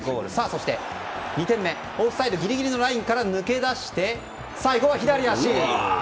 そして、２点目オフサイドギリギリのラインから抜け出して、最後は左足！